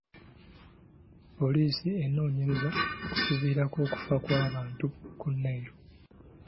Poliisi enoonyereza kukiviirako okufa kw'abantu ku Nile.